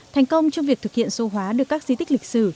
thành công trong việc thực hiện số hóa được các di tích lịch sử